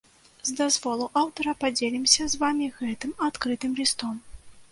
З дазволу аўтара падзелімся з вамі гэтым адкрытым лістом.